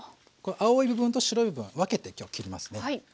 この青い部分と白い部分は分けて今日は切りますね。